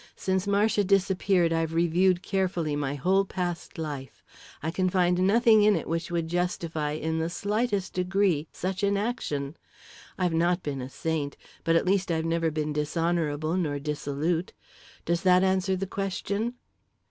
"Since Marcia disappeared, I've reviewed carefully my whole past life, and I can find nothing in it which would justify, in the slightest degree, such an action. I've not been a saint, but at least I've never been dishonourable nor dissolute. Does that answer the question?"